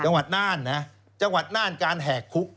จังหวัดน่านนะจังหวัดน่านการแหกคุก